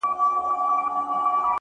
• هم شیرین، هم وېروونکی، لړزوونکی ,